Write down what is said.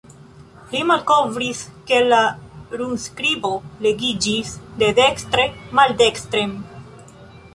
Li malkovris ke la runskribo legiĝis de dekstre maldekstren.